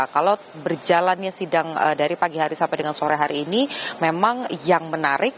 kalau berjalannya sidang dari pagi hari sampai dengan sore hari ini memang yang menarik